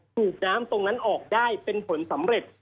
ถูกน้ำตรงนั้นออกได้เป็นผลสำเร็จ